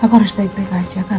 aku harus baik baik aja kan